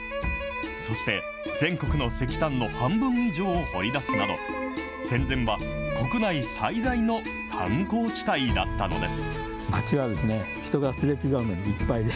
そして、全国の石炭の半分以上を掘り出すなど、戦前は国内最大の炭鉱地帯だったのです。